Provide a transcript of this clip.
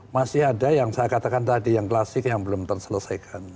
masih ada yang saya katakan tadi yang klasik yang belum terselesaikan